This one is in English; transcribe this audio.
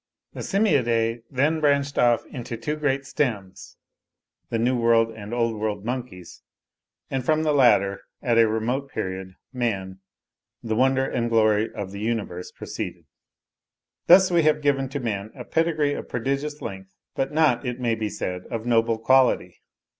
The Simiadae then branched off into two great stems, the New World and Old World monkeys; and from the latter, at a remote period, Man, the wonder and glory of the Universe, proceeded. Thus we have given to man a pedigree of prodigious length, but not, it may be said, of noble quality.